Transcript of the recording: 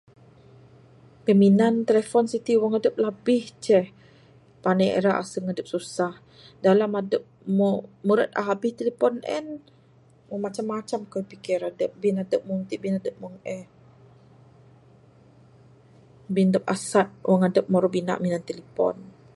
Piminan telephone siti wang adep labih ceh, pandai ira aseng adep susah. Dalam adep moh meret abih tilipon meng en moh macam macam kayuh pikir adep. Bin adep meng ti, bin adep meng eh. Bin adep asat wang adep maru bina minan tilipon.